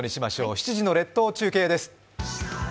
７時の列島中継です。